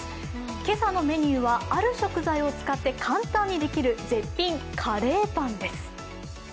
今朝のメニューは、ある食材を使って簡単にできる絶品カレーパンです。